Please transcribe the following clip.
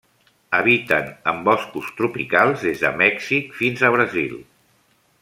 Habiten en boscos tropicals, des de Mèxic fins a Brasil.